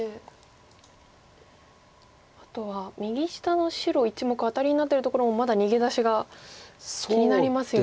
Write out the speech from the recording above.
あとは右下の白１目アタリになってるところもまだ逃げ出しが気になりますよね。